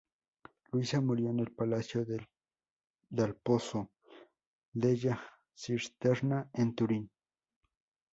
Luisa murió en el Palacio dal Pozzo della Cisterna, en Turín.